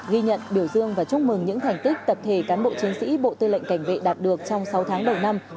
ghi nhận biểu dương và chúc mừng những thành tích tập thể cán bộ chiến sĩ bộ tư lệnh cảnh vệ đạt được trong sáu tháng đầu năm